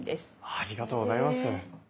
ありがとうございます。